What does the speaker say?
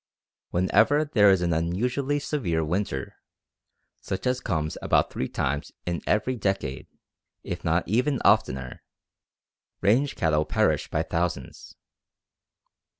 Whenever there is an unusually severe winter, such as comes about three times in every decade, if not even oftener, range cattle perish by thousands.